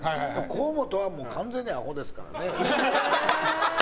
河本は完全にアホですから。